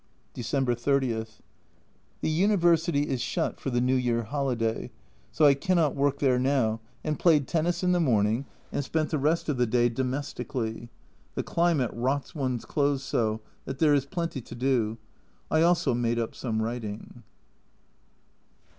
December 30. The University is shut for the New Year holiday, so I cannot work there now, and played tennis in the morning and spent the rest of 84 A Journal from Japan the day " domestically." The climate rots one's clothes so, that there is plenty to do. I also made up some writing.